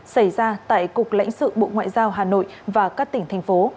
xảy ra tại cục lãnh sự bộ ngoại giao hà nội và các tỉnh thành phố